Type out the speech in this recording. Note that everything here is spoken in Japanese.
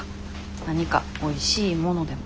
何かおいしいものでも。